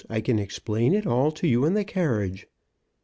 I can explain it all to you in the carriage."